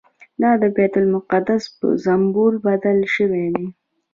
دا د بیت المقدس په سمبول بدل شوی دی.